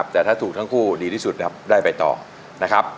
แต่ถ้าถูกทั้งคู่ดีที่สุดนะครับได้ไปต่อนะครับ